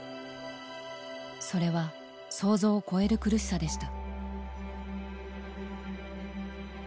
それは想像を超える苦しさでした。